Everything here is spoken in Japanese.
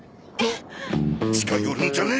近寄るんじゃねえ！